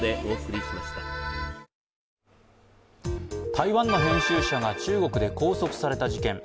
台湾の編集者が中国で拘束された事件。